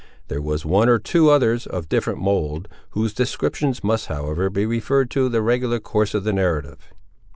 There were one or two others, of different mould, whose descriptions must however be referred to the regular course of the narrative.